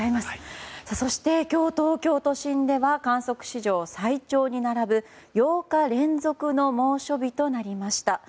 そして今日、東京都心では観測史上最長に並ぶ８日連続の猛暑日となりました。